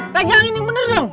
pegang ini bener dong